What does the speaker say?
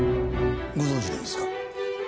ご存じなんですか？